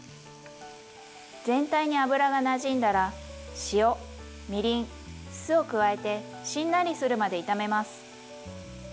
全体に油がなじんだら塩みりん酢を加えてしんなりするまで炒めます。